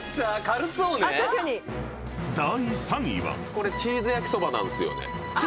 これチーズ焼きそばなんです。